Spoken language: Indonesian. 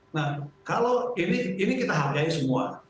nah kalau ini kita hargai semua